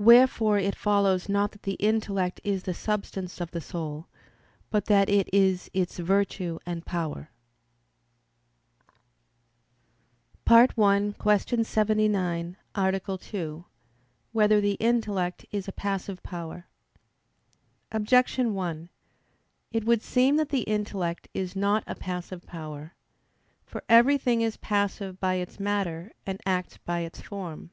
Wherefore it follows not that the intellect is the substance of the soul, but that it is its virtue and power. _______________________ SECOND ARTICLE [I, Q. 79, Art. 2] Whether the Intellect Is a Passive Power? Objection 1: It would seem that the intellect is not a passive power. For everything is passive by its matter, and acts by its form.